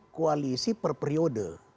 koalisi per periode